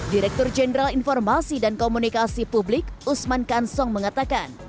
direktur jenderal informasi dan komunikasi publik usman kansong mengatakan